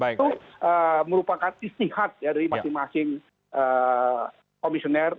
itu merupakan istihad dari masing masing komisioner